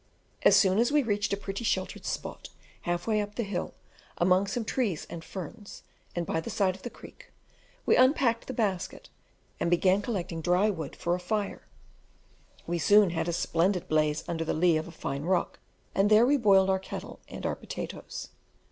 As soon as we reached a pretty sheltered spot half way up the hill among some trees and ferns, and by the side of the creek, we unpacked the basket, and began collecting dry wood for a fire: we soon had a splendid blaze under the lee of a fine rock, and there we boiled our kettle and our potatoes.